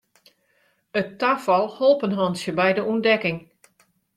It tafal holp in hantsje by de ûntdekking.